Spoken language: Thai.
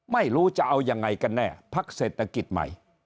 ไม่รู้จะเอายังไงกันแน่พักเศรษฐกิจใหม่